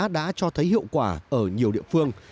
đã cho thấy hiệu quả ở nhiều địa phương